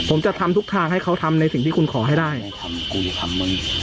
ผมจะทำทุกทางให้เขาทำในสิ่งที่คุณขอให้ได้ทำกูทำมึง